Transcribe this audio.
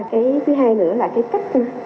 cái thứ hai nữa là cách